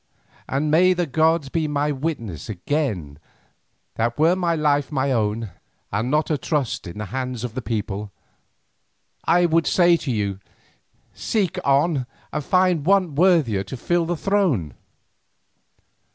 And may the gods be my witness again that were my life my own, and not a trust in the hands of this people, I would say to you, 'Seek on and find one worthier to fill the throne.